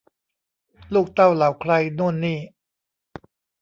ลูกเต้าเหล่าใครโน่นนี่